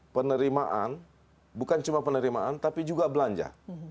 penerimaan bukan cuma penerimaan tapi juga belanja